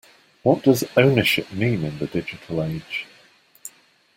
What does ownership mean in the digital age?